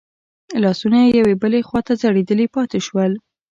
لاسونه يې يوې بلې خواته ځړېدلي پاتې شول.